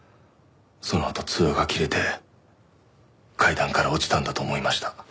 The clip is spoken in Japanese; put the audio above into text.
そのあと通話が切れて階段から落ちたんだと思いました。